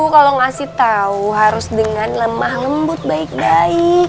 kalau ngasih tahu harus dengan lemah lembut baik baik